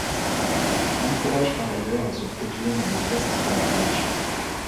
Il l'encourage par ailleurs à se produire dans les festivals religieux.